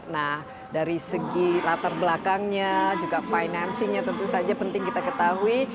nah dari segi latar belakangnya juga financingnya tentu saja penting kita ketahui